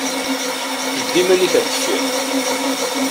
Jbed iman-ik ar deffir!